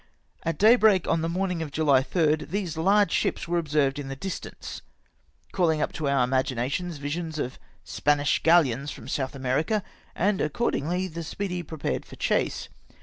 At daybreak, on the morning of July 3rd, these large ships .were observed in the distance, caUing up to 1 2G CAPTURED BY TIIKEK FRENCH our imaginations visions of Spanish galleons from South America, and accordingly the Speedy prepared for chase.